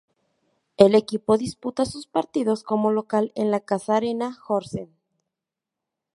El equipo disputa sus partidos como local en el Casa Arena Horsens.